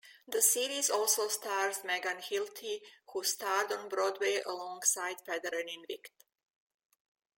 The series also stars Megan Hilty, who starred on Broadway alongside Federer in "Wicked".